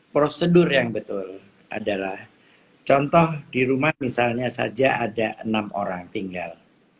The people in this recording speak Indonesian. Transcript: prosedur yang betul adalah contoh di rumah misalnya saja ada enam orang tinggal